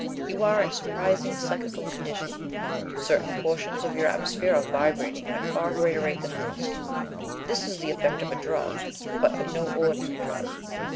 You are in a surprising psychical condition. Certain portions of your atmosphere are vibrating at a far greater rate than others. This is the effect of a drug, but of no ordinary drug.